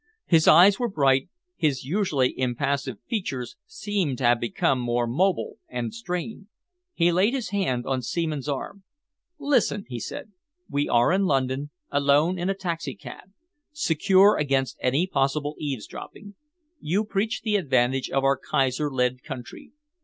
His eyes were bright, his usually impassive features seemed to have become more mobile and strained. He laid his hand on Seaman's arm. "Listen," he said, "we are in London, alone in a taxicab, secure against any possible eavesdropping. You preach the advantage of our Kaiser led country.